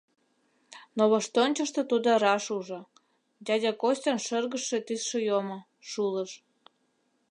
Но воштончышто тудо раш ужо: дядя Костян шыргыжше тӱсшӧ йомо, шулыш.